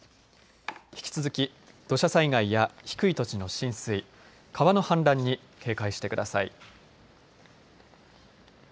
引き続き土砂災害や低い土地の浸水、川の氾濫に警戒してください。